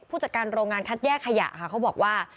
ผู้จัดการโรงงานคัดแยกขยะค่ะเขาบอกว่า